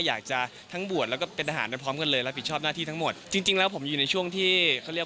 อยากจะผมทั้งบวชและเป็นทหารและคุณประธานพร้อมกันเลย